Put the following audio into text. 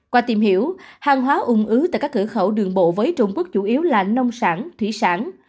qua tìm hiểu hàng hóa ung ứ tại các cửa khẩu đường bộ với trung quốc chủ yếu là nông sản thủy sản